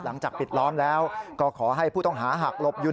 หลังจากปิดล้อมแล้วก็ขอให้ผู้ต้องหาหักหลบอยู่